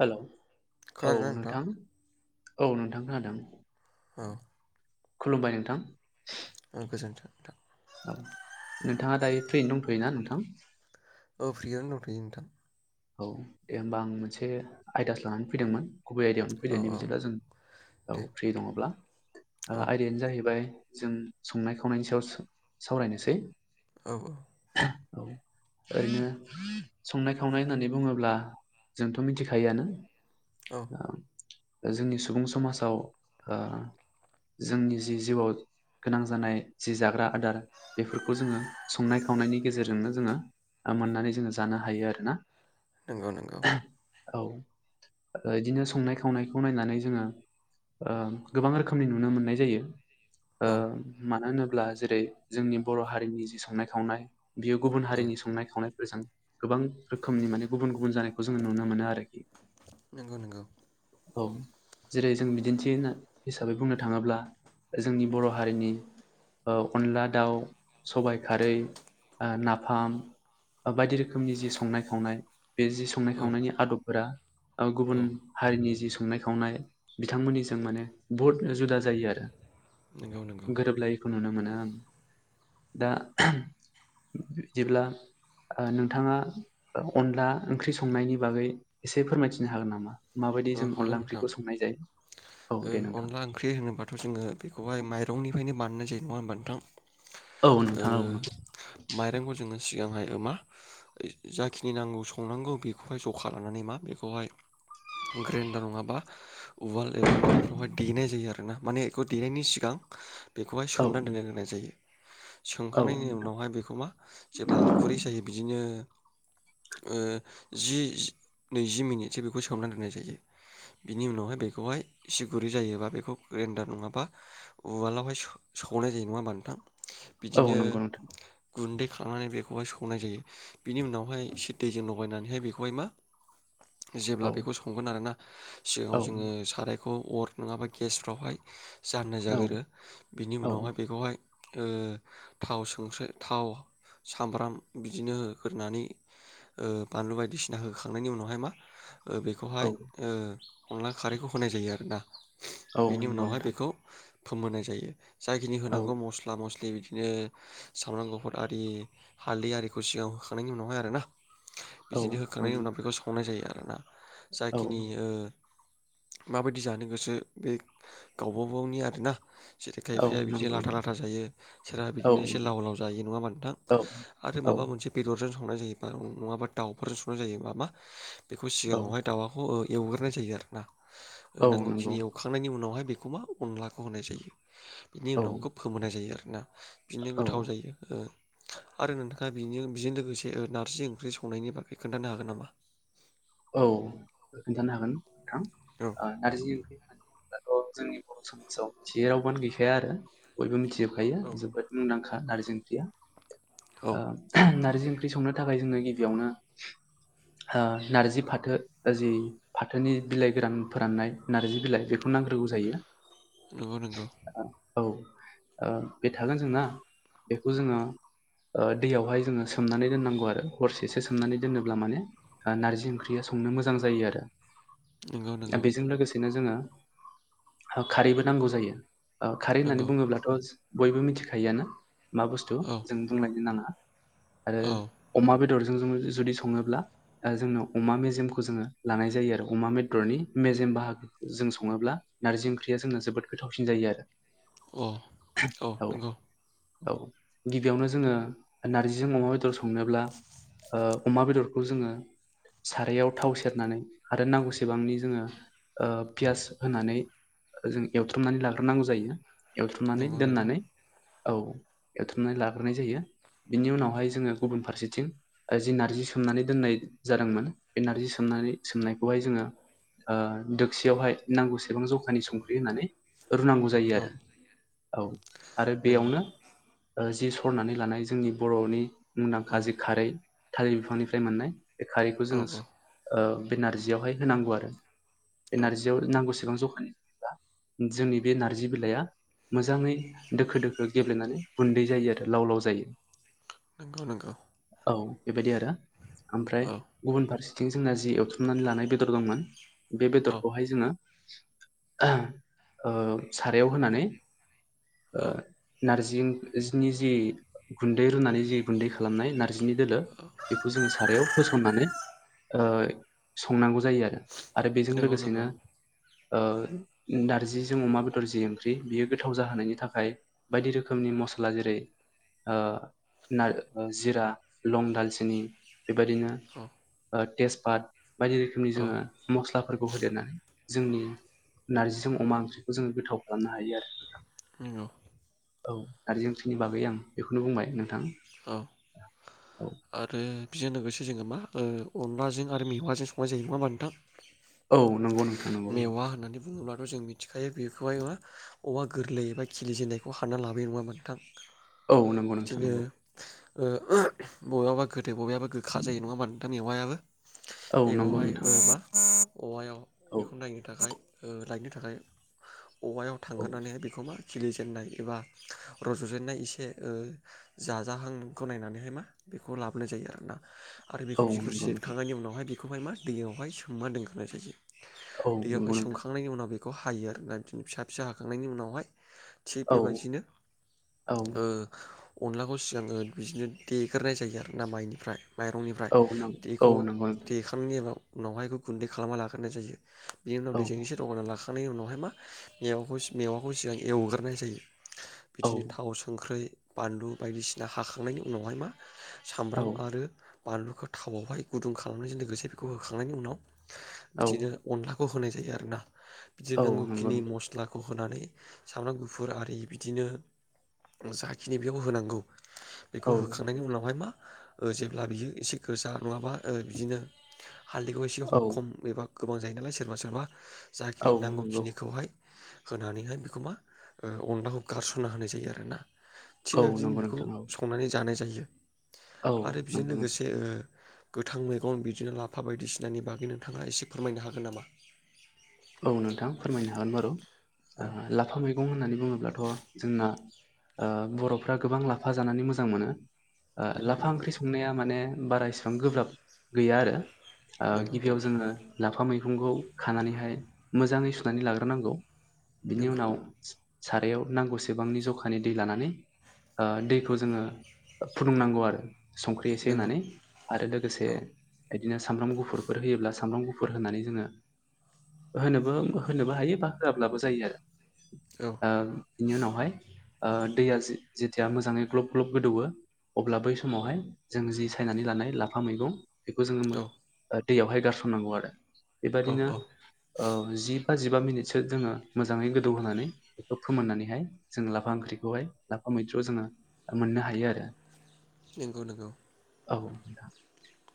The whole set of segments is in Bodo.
हेलौ औ नोंथां औ नोंथां खोनादों। औ। खुलुमबाय नोंथां। औ गोजोन्थों नोंथां। औ नोंथाङा दायो फ्रियैनो दंथ'योना नोंथां? फ्रियानो दंथ'यो नोंथां। औ दे होमबा आं मोनसे आइदासो लानानै फैदोंमोन। गुबै आयदायावनो औ फैदोनि औ बिदिब्ला जों औ दे फ्रि दङ'ब्ला ओ औ आयदायानो जाहैबाय जों संनाय खावनायनि सायाव सावरायनोसै। औ औ। औ ओरैनो संनाय खावनाय होननानै बुङोब्ला जोंथ' मिथिखायोआनो औ ओ जोंनि सुबुं समाजाव ओ जोंनि जि जिउआव गोनां जानाय जि जाग्रा आदार बेफोरखौ जोङो संनाय खावनायनि गेजेरजोंनो जोङो मोननानै जोङो जानो हायो आरो ना। नंगौ नंगौ। औ इदिनो संनाय खावनायखौ नायनानै जोङो ओ गोबां रोखोमनि नुनो मोननाय जायो। ओ औ मानो होनोब्ला जेरै जोंनि बर' हारिनि जि संनाय खावनाय बियो गुबुन औ हारिनि संनाय खावनायफोरजों गोबां रोखोमनि माने गुबुन गुबुन जानायखौ जोंङो नुनो मोनो आरोखि नंगौ नंगौ औ। जेरै जों बिदिन्थि हिसाबै बुंनो थाङोब्ला जोंनि बर' हारिनि ओ अनला दाउ सबाय खारै ओ नाफाम बायदि रोखोमनि जि संनाय संनाय बे जि संनाय औ खवनायनि आदबफोरा ओ औ गुबुन हरिनि जि स संनाय खावनाय बिथांमोननिजों माने बुहुत जुदा जायो आरो नंगौ नंगौ गोरोबलायैखौ नुनो मोनो आं दा जेब्ला आ नोंथाङा अनला ओंख्रि संनायनि बागै एसे फोरमायथिनो हागोन नामा माबायदि औ जों हागोन अनला नोंथां। ओंख्रिखौ संनाय जायो औ दे ओ नोंथां अनला ओंख्रि होनोबाथ' जोङो बेखौहाय माइरंनिफ्रायनो बानायनाय जायो नङा होनोमबा नो ओ औ नोंथां औ नोंथां माइरंखौ जोङो सिगांहाय मा जाखिनि नांगौ संनांगौ बेखौहाय जखा लानानै मा बेखौहाय ग्रेन्डार नङाबा उवाल एबा माबाफ्रावहाय देनाय जायो आरो ना माने बेखौ देनायनि सिगां बेखौहाय औ सोमनानै दोननो गोनां जायो औ सोंखांनायनि नोंथां उनावहाय बेखौ मा जेब्ला गुरै जायो बिदिनो ओ जि नैजि मिनिटसो बेखौ सोमना दोननाय जायो बिनि उनावहाय बेखौहाय एसे गुरै जायोबा बेखौ ग्रेन्डार नङाबा उवालावहाय सौनाय जायो नङा होनोमबा नोंथां औ बिदिनो नंगौ नोंथां गुन्दै खालामनानै बेखौहाय सौनाय जायो बिनि उनावहाय एसे दैजों लगायनानैहाय बेखौहाय मा जेब्ला औ बेखौ संगोन आरोना सिगाङाव औ जोङो साराय खौ अर नङाबा गेसफ्रावहाय जाननाय औ जागोरो बिनि औ उनावहाय बेखौहाय ओ थाव संस्रि थाव सामब्राम बिदिनो होरनानै ओ बानलु बायदिसिना होखांनायनि उनावहाय मा ओ औ बेखौहाय ओ अनला खारैखौ होनाय जायो आरोना औ बेनि नंगौ उनावहाय नोंथां बेखौ फोमोनाय जायो जायाखिनि औ होनांगौ मस्ला मस्लि बिदि बिदिनो सामब्राम गुफत आरि हालदै आरिखौ सिगांङाव होखांनायनि उनावहाय आरो ना औ बिदिनो होखांनायनि नंगौ उनाव बेखौ संनाय जायो आरोना औ जाखिनि ओ माबायदि जानो गोसो बे गावबागावनि आरोना। जेरै औ खायफाया बिदिनो नंगौ नोंथां लाथा लाथा जायो सोरहा औ बिदिनो नंगौ एसे लाव लाव जायो नङा मानोथां औ आरो औ माबा माब मोनसे बेदर जों संनाय जायो नङाबा दाउफोरजों संनाय जायो नङाबा बेखौ औ सिगाङावहाय दाउवाखौ एवगोरनाय जायो आरोना औ नंगौ नांगौखिनि औ एवखांनायनि उनावहाय बेखौ मा अनलाखौ होनाय जायो। बिनि उनाव खोब फोमोनाय जायो आरोना बिनो औ गोथाव जायो ओ आरो नोंथाङा बिनि बेजों लोगोसे नारजि ओंख्रि संनायनि बागै खोन्थानो हागोन नामा? औ खोन्थानो हागोन नोंथां औ ओ नारजि ओंख्रि होननानै बुङोब्ला जोंनि बर' समाजाव थियै रावबानो गैखाया आरो बयबो मिथिजोबखायो औ जोबोद मुंदांखा नारजि ओंख्रि मा औ ओ नार नारजि ओंख्रि संनो थाखाय जोङो गिबियावनो हो नार्जि फाथो जि फाथोनि बिलाइ गोरान फोराननाय नार्जि बिलाइ बेखौ नांग्रोगौ जायो। नंगौ नंगौ। औ ओ बे थागोन जोंना बेखौ जोङो ओ दैयावहाय जोङो सोमनानै दोननांगौ आरो हरसेसो सोमनानै दोनोब्ला माने ओ नारजि ओंख्रिया संनो मोजां जायो आरो नंगौ नंगौ बेजों लोगोसे बिनो जोङो खारैबो नांगौ जायो ओ खारै होननानै नंगौ बुङोब्लाथ' बयबो मिथिखायोआनो मा बुस्थु औ जों बुंलायनो नाङा। आरो औ अमा बेदरजों जों जुदि सङोब्ला ओ जोंनो अमा मेजेमखौ जोङो लानाय जायो आरो अमा बेदरनि मेजेम बाहागो जों सङोब्ला नारजि ओंख्रिया जोंना जोबोद गोथावसिन जायो आरो। अह औ नंगौ। औ गिबियावनो जोङो नार्जिजों अमा बेदर संनोब्ला ओ अमा बेदरखौ जोङो सारायाव थाव सेरनानै आरो नांगौसेबांनि जोङो ओ पियास होनानै जों एवथ्रमनानै लाग्रोनांगौ जायो। एवथ्रमनानै नंगौ नंगौ दोननानै औ एवथ्रमनानै लाग्रोनाय जायो बिनि उनावहाय जोङो गुबुन फारसेथिं जि नारजि सोमनानै दोननाय जादोंमोन बे नारजि सोमनानै सोमनायखौहाय जोङो ओ दोबसेयावहाय नांगौसेबां जखानि संख्रि होननानै रुनांगौ जायो औ आरो औ आरो नंगौ बेयावनो ओ जि सरनानै लानाय जोंनि बर'नि औ मुंदांखा जि खारै थालिर बिफांनिफ्राय मोननाय बे खारैखौ औ जोङो औ ओ बे नारजियावहाय होनांगौ आरो बे औ नारजियाव नांगौसे सिगां जखानि होब्ला जोंनि बे नारजि बिलाइआ मोजाङै दोखो दोखो गेब्लेनानै गुन्दै जायो आरो लाव लाव जायो नंगौ नंगौ। औ बेबायदि आरो ओमफ्राय औ गुबुन फारसेथिं जोंना जि एवथुमनानै लानाय बेदर दंमोन बे औ बेदरखौहाय जोङो ओ सारायाव होनानै औ ओ नारजि जि जिनि जि गुन्दै रुनानै जि गुन्दै खालामनाय नारजिनि दोलो बेखौ जोङो सारायाव होसननानै ओ संनांगौ जायो आरो आरो बेजों नंगौ लोगोसेनो नंगौ ओ नारजिजों अमा बेदर जि ओंख्रि बेयो गोथाव जाहोनायनि थाखाय बायदि रोखोमनि मसला जेरै ओ नार ओ जिरा लं दालचिनि बेबायदिनो औ ओ तेजपात बायदि रोखोमनि औ जोङो मस्ला फोरखौ होदेरनानै जोंनि नार्जिजों अमा ओंख्रिखौ जोङो गोथाव खालामनो हायो आरो। औ औ नारजि ओख्रिनि बागै आं बेखौनो बुंबाय नोंथां। औ औ आरो बेजों लोगोसे जोङो मा ओ अनलाजों आरो मेवाजों संनाय जायो नङाहोमबा नोंथां। औ नंगौ नोंथां नंगौ मेवा होननानै बुङोब्ला बे जों मिथिखायो बेखौहाय मा औवा गोरलै एबा खिलिजेननायखौ हानना लाबोनाय नङा होमबा नोंथां औ नंगौ नोंथां बिदिनो नंगौ ओ बबेयाबा गोदै बबेयाबा गोखा जायो नङा होमबा नोंथां मेवायाबो औ नंगौ बेगावहायबा नोंथां [unintelligible] औवायाव औ बेखौ नायनो थाखाय ओ लायनो थाखाय औवायाव औ थांगोरनानैहाय बेखौ मा खिलिजेननाय एबा रज'जेननाय एसे ओ जाजाहांखौ नायनानैहाय मा बेखौ लाबोनाय जायो आरोना आरो बेखौ औ बिगुर नंगौ नोंथां जिरखांनायनि उनावहाय बेखौहाय मा दैयावहाय सोमा दोनखांनाय जायो औ नंगौ दैयावहाय नोंथां सोमखांनायनि उनाव बे बेखौ हायो आरो ना बिदिनो फिसा फिसा हाखांनायनि उनावहाय थिग औ बेबायदिनो औ ओ अनलाखौ सिगाङो बिदिनो देग्रोनाय जायो आरो ना माइनिफ्राय माइरंनिफ्राय औ नों औ बेखौ नंगौ नोंथां देखांनायनि एबा उनावहाय बेखौ गुन्दै खालामना लागोरनाय जायो बिनि उनाव औ दैजों एसे लगायना लाखांनायनि उनावहाय मा मेवाखौ मेवाखौ सिगां एवग्रोनाय जायो औ बिदिनो थाव संख्रै बानलु बायदिसिना हाखांनायनि उनावहाय मा औ सामब्राम आरो बानलुखौ थावावहाय गुदुं खालामनायजों लोगोसे बेखौ होखांनायनि उनाव औ बिदिनो अनलाखौ होनाय जायो आरोना बिदिनो औ नंगौ नांगौखिनि नोंथां मस्लाखौ होनानै सामब्राम गुफुर आरि बिदिनो जाखिनि बेखौ होनांगौ बेखौ औ होखांनायनि उनावहाय मा ओ जेब्ला बियो एसे गोजा नङाबा ओ बिदिनो हालदैखौ एसे औ खम एबा गोबां जायो नालाय सोरबा सोरबा औ जाखिनि नंगौ नांगौखिनिखौहाय होनानैहाय बेखौ मा ओ अनलाखौ गारस'ना होनाय जायो आरो ना औ थिग आरो बिदिनो नंगौ बेखौ नोंथां औ संनानै जानाय जायो औ आरो बेजों नंगौ नोंथां लोगोसे ओ गोथां मैगन बिदिनो लाफा बायदिसिनानि बागै नोंथाङा एसे फोरमायनो हागोन नामा? औ नोंथां फोरमायनो हागोन बारु औ लाफा मैगं होननानै बुंङो बुङोब्लाथ' जोंना ओ बर'फ्रा गोबां लाफा जानानै मोजां मोनो। ओ नंगौ लाफा नंगौ ओंख्रि संनाया माने बारा इसिबां गोब्राब गैया आरो ओ नंगौ गिबियाव जोङो लाफा मैगंखौ खानानैहाय मोजाङै सुनानै लाग्रोनांगौ। बिनि नंगौ उनाव सारायाव नांगौसेबांनि जखानि दै लानानै ओ दैखौ जोङो फुदुंनांगौ आरो संख्रि एसे नंगौ होनानै आरो लोगोसे औ बिदिनो सामब्राम गुफुरफोर होयोब्ला सामब्राम गुफुर होनानै जोङो होनोबो-होनोबो हायो बा होआाब्लाबो जायो आरो औ ओ बिनि उनावहाय ओ दैया जे-जेथिया मोजाङै ग्लब-ग्लब गोदौवो अब्ला बै समावहाय जों जि सायनानै लानाय लाफा मैगं बेखौ जोङो औ ओ दैयावहाय गारसननांगौ आरो औ बेबादिनो औ ओ जि बा जिबा मिनिटसो जोङो मोजाङै गोदौ होनानै बेखौ फोमोननानैहाय जों लाफा ओख्रि हाय लाफा मैद्रुआव जोङो मोननो हायो आरो नंगौ नंगौ औ नोंथां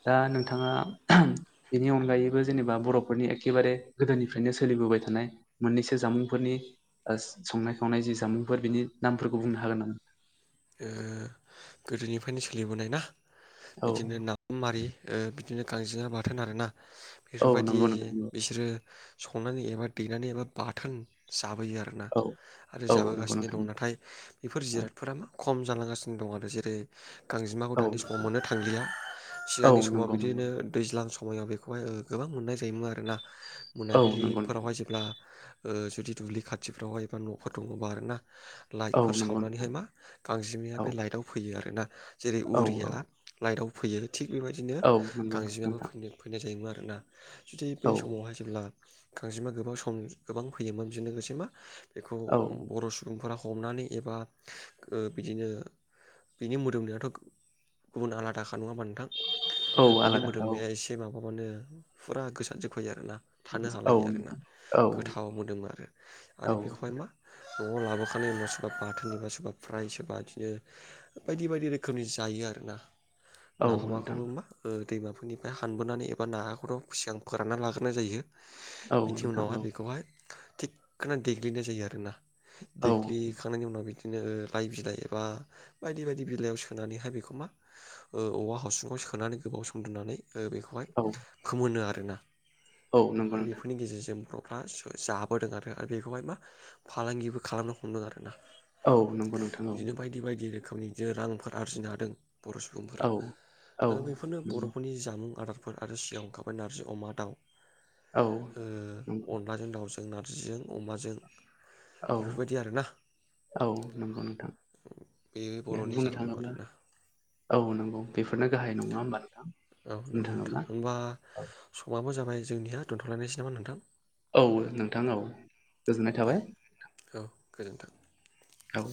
दा नोंथाङा [inaudible] बेनि अनगायैबो जेनेबा बर'फोरनि एखेबारे गोदोनिफ्रायनो सोलिबोबाय थानाय मोननैसो जामुंफोरनि संनाय खावनाय जि जामुंफोर बिनि नामफोरखौ बुंनो हागोन नामा? ओ गोदोनिफ्रायनो सोलिबोनाय ना औ बिदिनो नाफामारि ओ बिदिनो गांजेमा बाथोन आरोना औ बेफोरबायदि नंगौ नोंथां बिसोरो संनानै एबा दैनानै एबा बाथोन जाबोयो आरोना औ आरो औ औ नंगौ जाबोगासिनो दं नोंथां नाथाय बेफोर जिरादफोरा खम जालांगासिनो दं आरो जेरै गांजेमाखौ औ दानि समाव नोंथां मोननो थांलिया औ सिगांनि समाव नंगौ नंगौ बिदिनो दैज्लां समाव समायाव बेखौहाय गोबां मोननाय जायोमोन आरोना औ नंगौ मोनाबिलिफोरावहाय नोंथां जेब्ला ओ जुदि दुब्लि खाथिफ्रावहाय एबा न'फोर दङबा आरोना औ लाइटफोर नंगौ नोंथां सावनानैहाय मा गांजेमाया औ बे लाइटआव फैयो आरो ना जेरै औ उरिया औ लाइटआव फैयो। थिग बेबायदिनो औ नंगौ गांजेङाबो नोंथां फैनो फैनाय जायोमोन आरोना जुदि बै औ समावहाय जेब्ला गांजेमा गोबां सम गोबां फैयोमोन बेजों लोगोसे मा बेखौ औ बर' सुबुंफोरा हमनानै एबा ओ बिदिनो बिनि मोदोमनायाथ' गुबुन आलादाखा नङा होनबा थां औ बिनि आलादाखा मोदोमनाया एसे माबाबानो फुरा गोसारजोबखायो आरोना थानो औ हालायो आरोना औ गोथाव मोनदोंमोन नोंथां आरो-आरो औ बेखौहाय मा ज' लाबोखानाय होनबा सोरबा बाथोन देबा सोरबा फ्रायसबा बिदिनो बायदि-बायदि रोखोमनि जायो आर ना औ नोंथां नाफामाखौबो मा ओ दैमाफोरनिफ्राय हानबोनानै ना हाखराव एबा नाखौथ' खुसिया सिगां फोरानना लाग्रोनाय जायो औ बिनि नोंथां उनावहाय औ बेखौहाय थिखोना देग्लिनाय जायो आरोना औ देग्लिखांनायनि उनाव बिदिनो लाइ बिलाइ एबा बायदि-बायदि बिलाइयाव सोनानैहाय बेखौ मा औवा हासुंवाव सोनानै गो गंसं लोंनानै ओ बेखौहाय औ फोमोनो आरोना औ नंगौ नोंथां बेफोरनि गेजेरजों ना सु जाबोदों आरो बेखौहाय मा फालांगिबो खालामनो हमदों आरो ना औ नंगौ नोंथां औ दा बिदिनो जे रांफोर आरजिनो हादों बर' सुबुंफोरा औ दा बेफोरनो नंगौ बर'फोरनि जामुं आदारफोर आरो सिगां ओंखाराबाय नारजि अमा दाउ औ नंगौ ओ अनलाजों दाउजों जों नारजिजों अमाजों बेफोरबायदि आरोना औ-औ नंगौ नोंथां बे बर'नि बुंनो जामुं थाङोब्ला आरोना औ नंगौ बेफोरनो गाहाय नङा होमबा नोंथां औ नोंग बुंनो नोंथां थाङोब्ला होबा औ समाबो जाबाय जोंनिया दोनथ'लायनायसै नामा नोंथां औ नोंथां औ गोजोननाय दे थाबाय औ गोजोन्थों औ